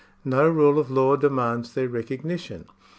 No rule of law demands their recognition.